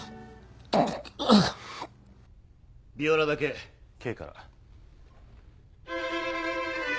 ビオラだけＫから。